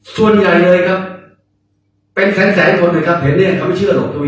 ส่วนใหญ่เลยครับเป็นแสงแสงคนเลยครับเห็นไหมครับไม่เชื่อหรอกทุกคน